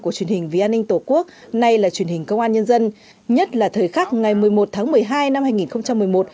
của truyền hình vntq nay là truyền hình công an nhân dân nhất là thời khắc ngày một mươi một tháng một mươi hai năm